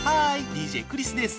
ＤＪクリスです。